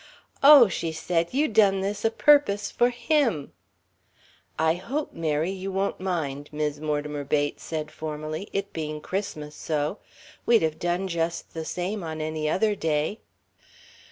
"Oh," she said, "you done this a purpose for him." "I hope, Mary, you won't mind," Mis' Mortimer Bates said formally, "it being Christmas, so. We'd have done just the same on any other day."